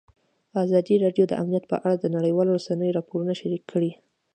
ازادي راډیو د امنیت په اړه د نړیوالو رسنیو راپورونه شریک کړي.